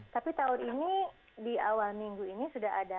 tapi tahun ini di awal minggu ini sudah ada